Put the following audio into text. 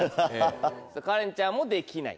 カレンちゃんも「できない」。